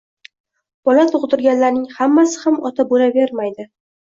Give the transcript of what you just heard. Bola tug’dirganlarning hammasi ham Ota bo’lavermaydi.